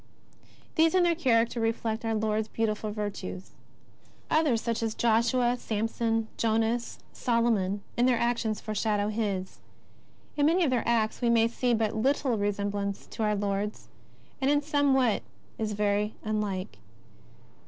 These in their character reflect our Lord's beautiful virtues. Others, such as Josue, Samson, Jonas, Solomon, in their actions foreshadow His. In many of their acts we may see but little resemblance to our Lord's, and in some what is very unlike.